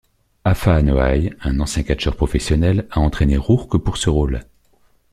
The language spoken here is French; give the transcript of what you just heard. Afa Anoa'i, un ancien catcheur professionnel, a entraîné Rourke pour ce rôle.